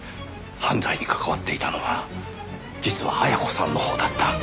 犯罪に関わっていたのは実は絢子さんのほうだった。